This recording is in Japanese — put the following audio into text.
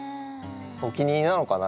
お気に入りなのかな？